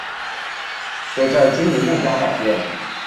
隨著經營目標改變